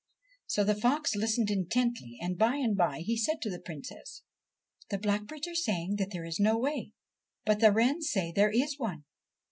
So the fox listened intently, and by and by he said to the Princess :' The blackbirds are saying there is no way, but the wrens say there is one.